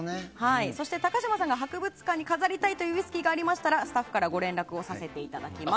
そして、高嶋さんが博物館に飾りたいというウイスキーがありましたらスタッフからご連絡をさせていただきます。